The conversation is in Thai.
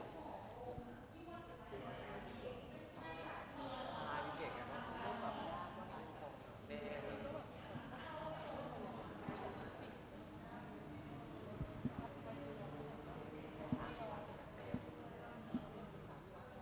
โปรดติดตามตอนต่อไป